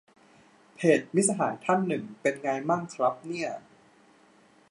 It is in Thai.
เพจมิตรสหายท่านหนึ่งเป็นไงมั่งครับเนี่ย